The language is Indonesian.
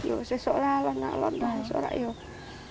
ya saya seorang lelaki lontar seorang lelaki